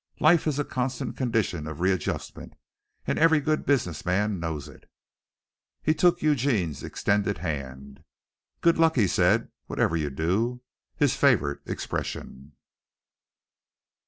Life is a constant condition of readjustment, and every good business man knows it." He took Eugene's extended hand. "Good luck," he said, "whatever you do" his favorite expression.